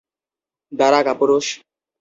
দাঁড়া, কাপুরুষ!